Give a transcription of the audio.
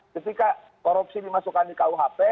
ketika korupsi dimasukkan di kuhp